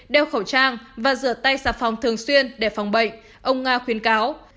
đeo khẩu trang và rửa tay sạp phòng thường xuyên để phòng bệnh ông nga khuyến cáo